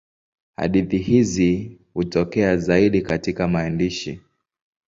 Hadithi hizi hutokea zaidi katika maandishi.